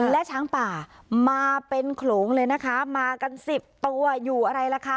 และช้างป่ามาเป็นโขลงเลยนะคะมากันสิบตัวอยู่อะไรล่ะคะ